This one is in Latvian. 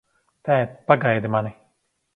Tēt, pagaidi mani!